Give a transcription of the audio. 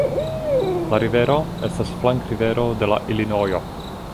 La rivero estas flankrivero de la Ilinojo.